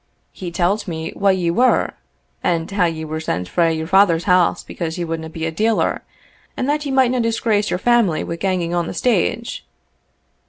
He tell't me whae ye were, and how ye were sent frae your father's house because ye wadna be a dealer, and that ye mightna disgrace your family wi' ganging on the stage.